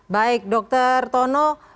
baik dokter tono